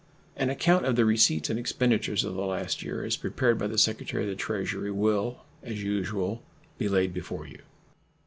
An account of the receipts and expenditures of the last year, as prepared by the Secretary of the Treasury, will, as usual, be laid before you.